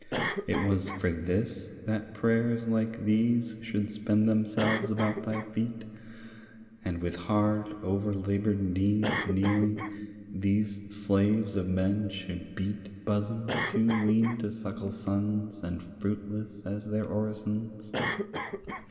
It was for this, that prayers like these Should spend themselves about thy feet, And with hard overlaboured knees Kneeling, these slaves of men should beat Bosoms too lean to suckle sons And fruitless as their orisons?